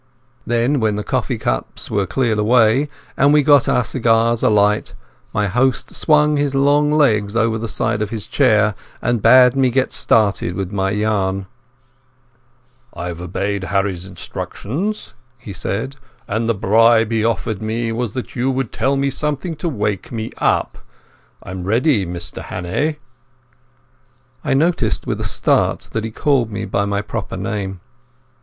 Then when the coffee cups were cleared away, and we had got our cigars alight, my host swung his long legs over the side of his chair and bade me get started with my yarn. "I've obeyed Harry's instructions," he said, "and the bribe he offered me was that you would tell me something to wake me up. I'm ready, Mr Hannay." I noticed with a start that he called me by my proper name.